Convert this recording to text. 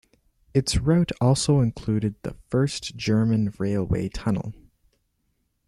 Its route also included the first German railway tunnel.